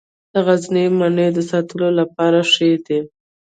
د غزني مڼې د ساتلو لپاره ښې دي.